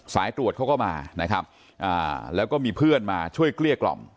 สายตรวจเขาก็มานะครับแล้วก็มีเพื่อนมาช่วยเกลี้ยกล่อม